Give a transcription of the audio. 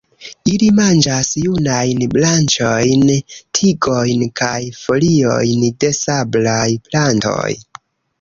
Ili manĝas junajn branĉojn, tigojn kaj foliojn de sablaj plantoj.